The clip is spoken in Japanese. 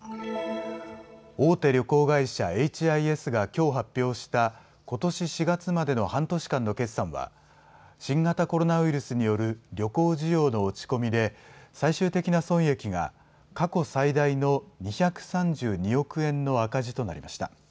大手旅行会社、エイチ・アイ・エスがきょう発表したことし４月までの半年間の決算は新型コロナウイルスによる旅行需要の落ち込みで最終的な損益が過去最大の２３２億円の赤字となりました。